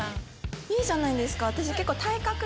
いいじゃないですか。